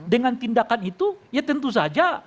dengan tindakan itu ya tentu saja